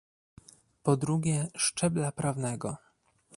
Po drugie, szczebla prawnego